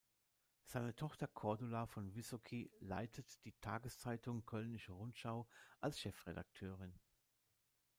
Seine Tochter Cordula von Wysocki leitet die Tageszeitung Kölnische Rundschau als Chefredakteurin.